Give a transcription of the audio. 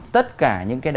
tất cả những cái đó